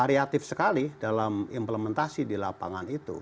dan negatif sekali dalam implementasi di lapangan itu